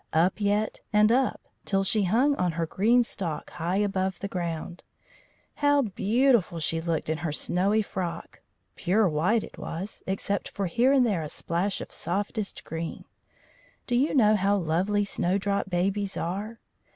Up yet, and up, till she hung on her green stalk high above the ground. How beautiful she looked in her snowy frock! Pure white it was, except for here and there a splash of softest green. Do you know how lovely Snowdrop Babies are?